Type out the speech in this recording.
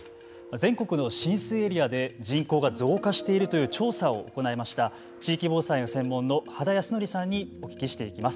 全国の浸水エリアで人口が増加しているという調査を行いました地域防災が専門の秦康範さんにお聞きしていきます。